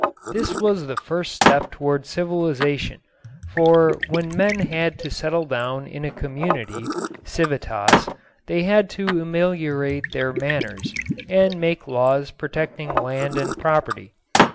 This was the first step toward civilization, for when men had to settle down in a community (civitas) they had to ameliorate their manners and make laws protecting land and property.